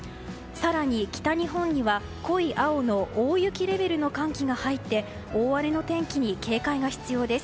更に、北日本には濃い青の大雪レベルの寒気が入って大荒れの天気に警戒が必要です。